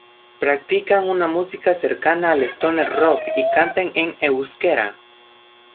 Practican una música cercana al stoner rock y cantan en euskera.